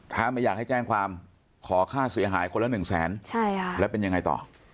ถ้าไม่อยากให้แจ้งความขอค่าเสียหายคนละ๑แสนแล้วเป็นยังไงต่อ